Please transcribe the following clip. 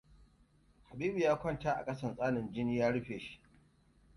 Habibu ya kwanta a ƙasan tsanin, jini ya rufe shi.